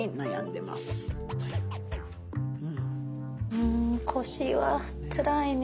うん腰はつらいね。